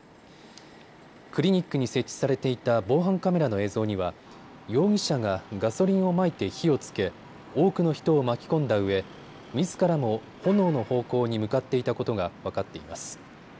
クリニックに設置されていた防犯カメラの映像には容疑者がガソリンをまいて火をつけ多くの人を巻き込んだうえ、みずからも炎の方向に向かっていたことが分かっています。